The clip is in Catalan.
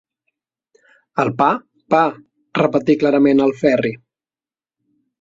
El pa, pa –repetí clarament el Ferri.